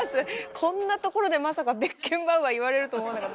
こんなところでまさか「ベッケンバウアー」言われるとは思わなかった。